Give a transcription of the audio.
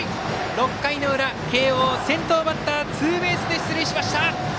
６回の裏、慶応、先頭バッターツーベースで出塁しました。